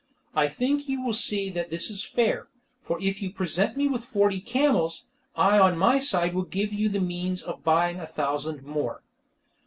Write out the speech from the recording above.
I think you will see that this is fair, for if you present me with forty camels, I on my side will give you the means of buying a thousand more."